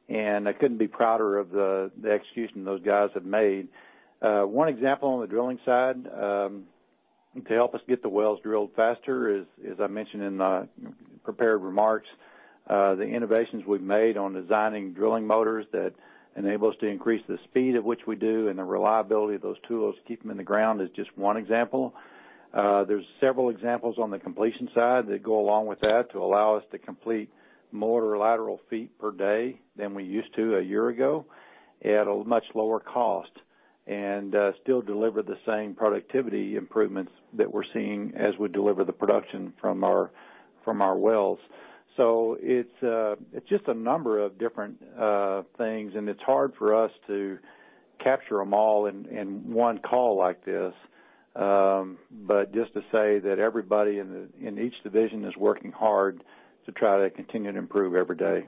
and I couldn't be prouder of the execution those guys have made. One example on the drilling side to help us get the wells drilled faster is, as I mentioned in the prepared remarks, the innovations we've made on designing drilling motors that enable us to increase the speed at which we do and the reliability of those tools to keep them in the ground is just one example. There's several examples on the completion side that go along with that to allow us to complete more lateral feet per day than we used to a year ago, at a much lower cost, and still deliver the same productivity improvements that we're seeing as we deliver the production from our wells. It's just a number of different things, and it's hard for us to capture them all in one call like this. Just to say that everybody in each division is working hard to try to continue to improve every day.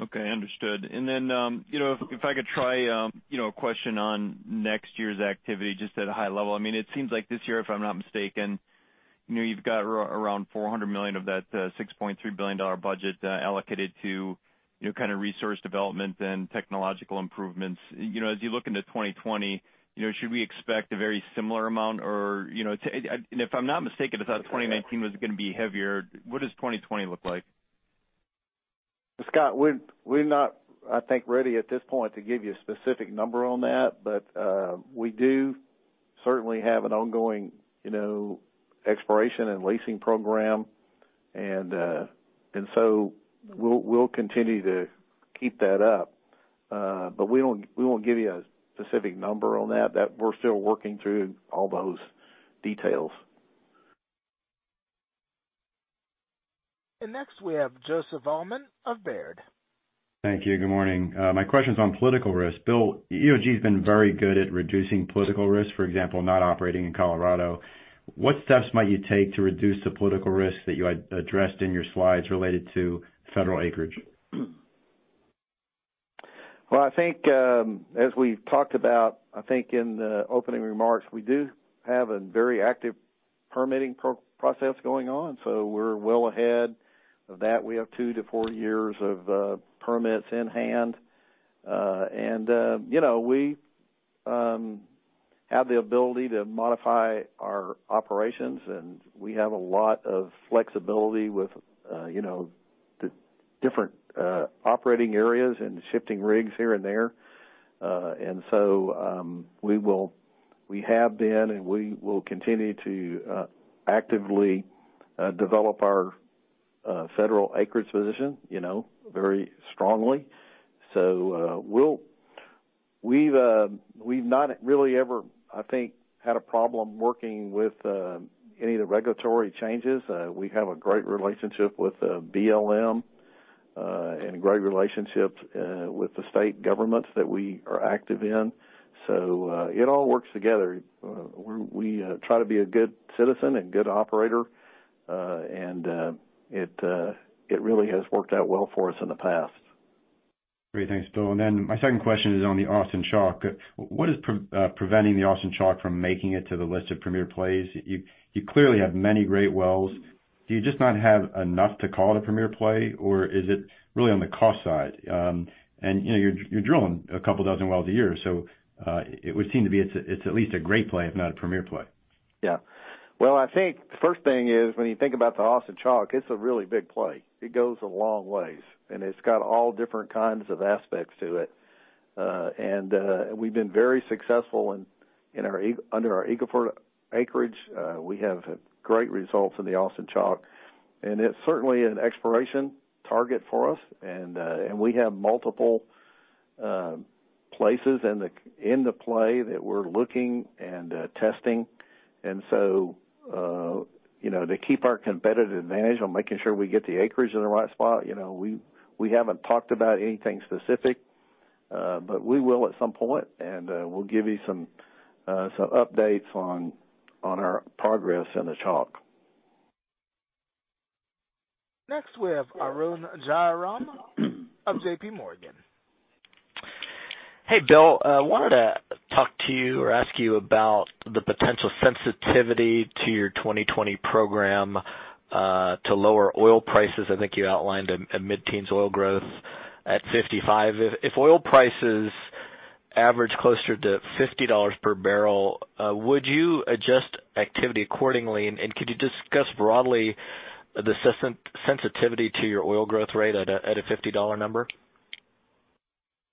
Okay, understood. If I could try a question on next year's activity, just at a high level. It seems like this year, if I'm not mistaken, you've got around $400 million of that $6.3 billion budget allocated to resource development and technological improvements. As you look into 2020, should we expect a very similar amount? If I'm not mistaken, I thought 2019 was going to be heavier. What does 2020 look like?
Scott, we're not, I think, ready at this point to give you a specific number on that. We do certainly have an ongoing exploration and leasing program, and so we'll continue to keep that up. We won't give you a specific number on that. We're still working through all those details.
Next we have Joseph Allman of Baird.
Thank you. Good morning. My question's on political risk. Bill, EOG has been very good at reducing political risk, for example, not operating in Colorado. What steps might you take to reduce the political risk that you addressed in your slides related to federal acreage?
Well, I think as we've talked about in the opening remarks, we do have a very active permitting process going on. We're well ahead of that. We have two to four years of permits in hand. We have the ability to modify our operations, and we have a lot of flexibility with the different operating areas and shifting rigs here and there. We have been, and we will continue to actively develop our federal acreage position very strongly. We've not really ever, I think, had a problem working with any of the regulatory changes. We have a great relationship with the BLM, and a great relationship with the state governments that we are active in. It all works together. We try to be a good citizen and good operator, and it really has worked out well for us in the past.
Great. Thanks, Bill. My second question is on the Austin Chalk. What is preventing the Austin Chalk from making it to the list of premier plays? You clearly have many great wells. Do you just not have enough to call it a premier play, or is it really on the cost side? You're drilling a couple dozen wells a year, so it would seem to be it's at least a great play, if not a premier play.
Yeah. Well, I think the first thing is, when you think about the Austin Chalk, it's a really big play. It goes a long way, and it's got all different kinds of aspects to it. We've been very successful under our Eagle Ford acreage. We have great results in the Austin Chalk, and it's certainly an exploration target for us. We have multiple places in the play that we're looking and testing. To keep our competitive advantage on making sure we get the acreage in the right spot, we haven't talked about anything specific, but we will at some point, and we'll give you some updates on our progress in the Chalk.
Next, we have Arun Jayaram of JPMorgan.
Hey, Bill. I wanted to talk to you or ask you about the potential sensitivity to your 2020 program to lower oil prices. I think you outlined a mid-teens oil growth at $55. If oil prices average closer to $50 per barrel, would you adjust activity accordingly? Could you discuss broadly the sensitivity to your oil growth rate at a $50 number?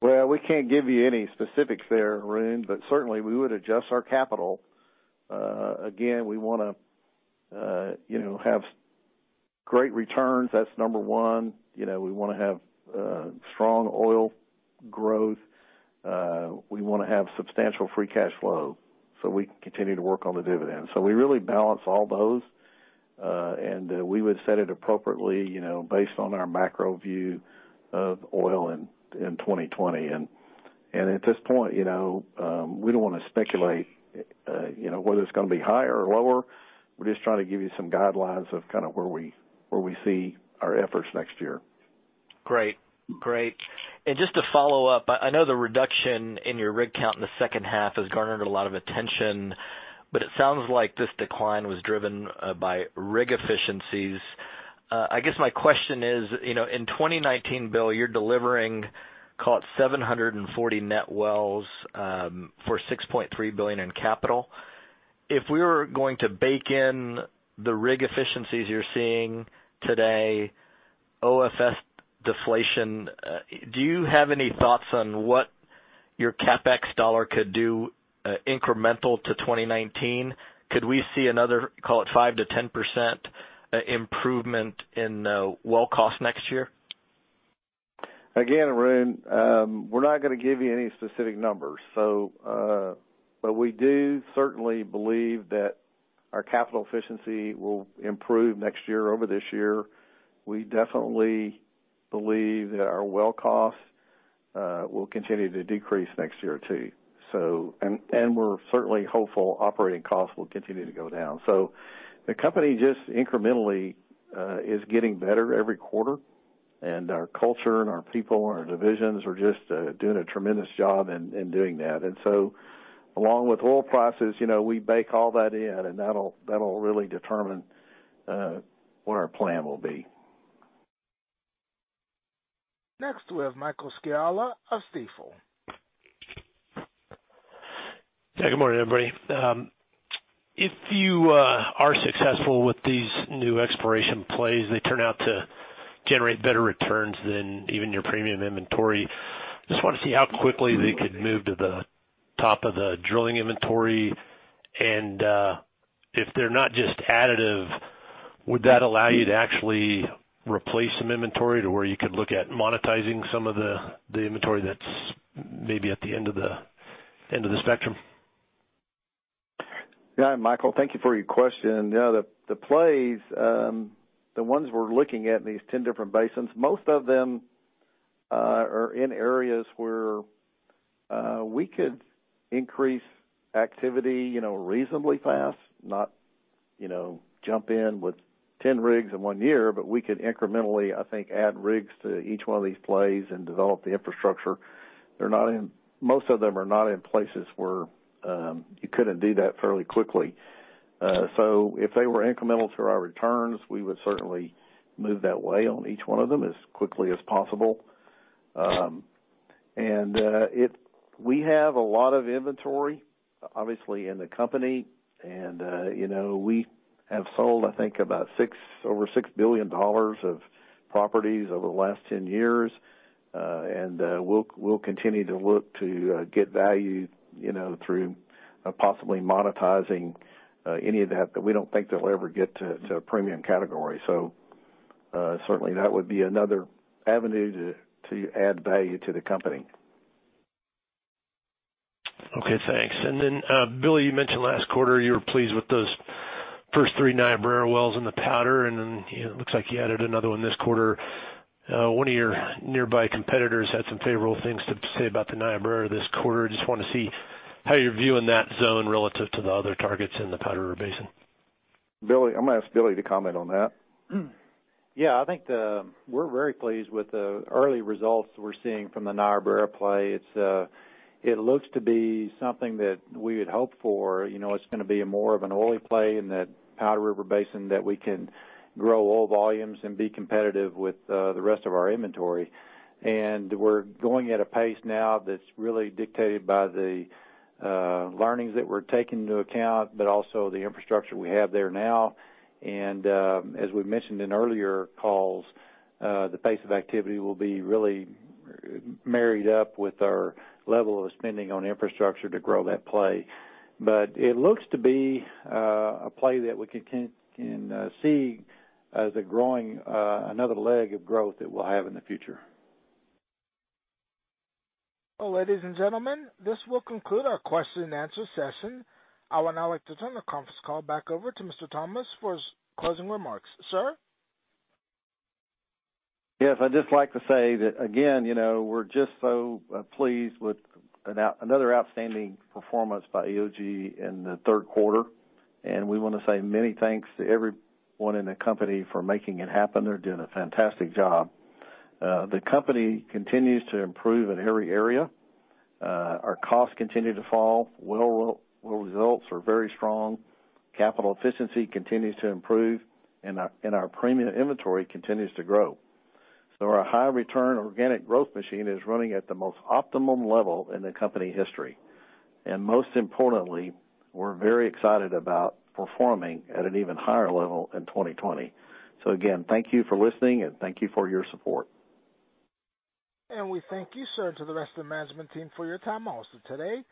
Well, we can't give you any specifics there, Arun, but certainly, we would adjust our capital. Again, we want to have great returns. That's number one. We want to have strong oil growth. We want to have substantial free cash flow so we can continue to work on the dividend. We really balance all those, and we would set it appropriately, based on our macro view of oil in 2020. At this point, we don't want to speculate whether it's going to be higher or lower. We're just trying to give you some guidelines of where we see our efforts next year.
Great. Just to follow up, I know the reduction in your rig count in the second half has garnered a lot of attention, but it sounds like this decline was driven by rig efficiencies. I guess my question is, in 2019, Bill, you're delivering, call it 740 net wells for $6.3 billion in capital. If we were going to bake in the rig efficiencies you're seeing today, OFS deflation, do you have any thoughts on what your CapEx dollar could do incremental to 2019? Could we see another, call it 5%-10% improvement in well cost next year?
Arun, we're not going to give you any specific numbers. We do certainly believe that our capital efficiency will improve next year over this year. We definitely believe that our well costs will continue to decrease next year, too. We're certainly hopeful operating costs will continue to go down. The company just incrementally is getting better every quarter, and our culture and our people and our divisions are just doing a tremendous job in doing that. Along with oil prices, we bake all that in, and that'll really determine what our plan will be.
Next, we have Michael Scialla of Stifel.
Yeah, good morning, everybody. If you are successful with these new exploration plays, they turn out to generate better returns than even your premium inventory. Just want to see how quickly they could move to the top of the drilling inventory. If they're not just additive, would that allow you to actually replace some inventory to where you could look at monetizing some of the inventory that's maybe at the end of the spectrum?
Michael, thank you for your question. The plays, the ones we're looking at in these 10 different basins, most of them are in areas where we could increase activity reasonably fast, not jump in with 10 rigs in one year, but we could incrementally, I think, add rigs to each one of these plays and develop the infrastructure. Most of them are not in places where you couldn't do that fairly quickly. If they were incremental to our returns, we would certainly move that way on each one of them as quickly as possible. We have a lot of inventory, obviously, in the company, and we have sold, I think, about over $6 billion of properties over the last 10 years. We'll continue to look to get value through possibly monetizing any of that, but we don't think that'll ever get to a premium category. Certainly, that would be another avenue to add value to the company.
Okay, thanks. Bill, you mentioned last quarter you were pleased with those first three Niobrara wells in the Powder, it looks like you added another one this quarter. One of your nearby competitors had some favorable things to say about the Niobrara this quarter. Just want to see how you're viewing that zone relative to the other targets in the Powder River Basin.
I'm going to ask Billy to comment on that.
Yeah, I think we're very pleased with the early results we're seeing from the Niobrara play. It looks to be something that we had hoped for. It's going to be more of an oily play in that Powder River Basin that we can grow oil volumes and be competitive with the rest of our inventory. We're going at a pace now that's really dictated by the learnings that we're taking into account, but also the infrastructure we have there now. As we've mentioned in earlier calls, the pace of activity will be really married up with our level of spending on infrastructure to grow that play. It looks to be a play that we can see as another leg of growth that we'll have in the future.
Ladies and gentlemen, this will conclude our question and answer session. I would now like to turn the conference call back over to Mr. Thomas for his closing remarks. Sir?
I'd just like to say that again, we're just so pleased with another outstanding performance by EOG in the third quarter, and we want to say many thanks to everyone in the company for making it happen. They're doing a fantastic job. The company continues to improve in every area. Our costs continue to fall. Well results are very strong. Capital efficiency continues to improve, and our premium inventory continues to grow. Our high return organic growth machine is running at the most optimum level in the company history. Most importantly, we're very excited about performing at an even higher level in 2020. Again, thank you for listening, and thank you for your support.
We thank you, sir, and to the rest of the management team for your time also today.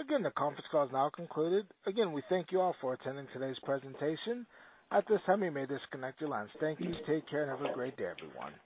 Again, the conference call is now concluded. Again, we thank you all for attending today's presentation. At this time, you may disconnect your lines. Thank you. Take care, and have a great day, everyone.